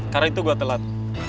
karena itu gue telat